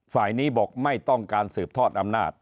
ฝ่ายนี้บอกไม่ต้องการสืบทอดอำนาจ